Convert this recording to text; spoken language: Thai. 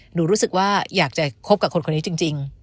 รู้สึกว่าอยากจะคบกับคนคนนี้จริง